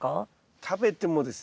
食べてもですね